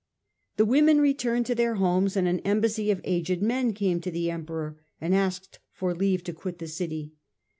The women returned to their homes and an embassy of aged men came to the Emperor and asked for leave to quit the city.